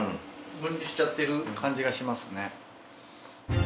分離しちゃってる感じがしますね。